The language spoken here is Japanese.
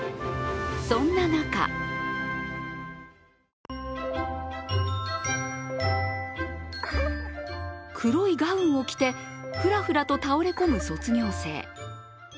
そんな中黒いガウンを着てふらふらと倒れ込む卒業生。